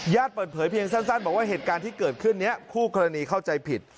เปิดเผยเพียงสั้นบอกว่าเหตุการณ์ที่เกิดขึ้นนี้คู่กรณีเข้าใจผิด